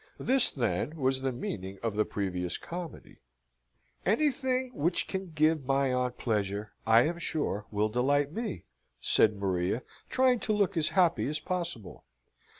This, then, was the meaning of the previous comedy. "Anything which can give my aunt pleasure, I am sure, will delight me," said Maria, trying to look as happy as possible.